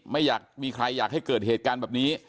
ไม่อยากมีใครอยากให้เกิดเหตุการณ์แบบนี้